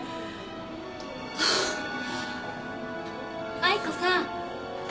・藍子さん。